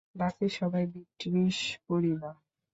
বাকী সবাই ব্রিটিশ পরিবার।